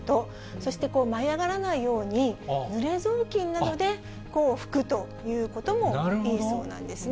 そして舞い上がらないように、ぬれ雑巾などで拭くということもいいそうなんですね。